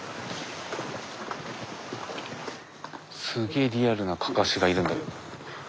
すげえリアルなかかしがいるんだけど。